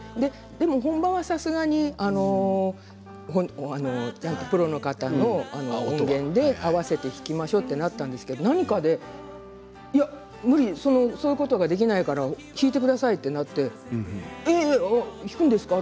でも本番はさすがにプロの方の音源で合わせて弾きましょうとなったんですけれど何かで、無理そういうことができないから弾いてくださいとなって弾くんですか？